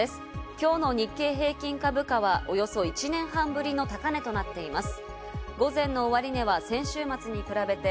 今日の日経平均株価はおよそ１年半ぶりの高値となっています。